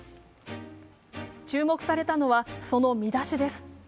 注目されたのは、その見出しです。